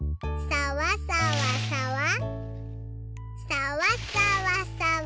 さわさわさわ。